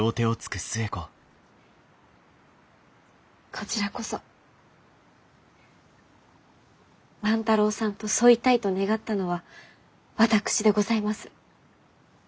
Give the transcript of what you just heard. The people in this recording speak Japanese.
こちらこそ万太郎さんと添いたいと願ったのは私でございます。